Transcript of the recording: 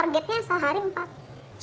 targetnya sehari empat orang lah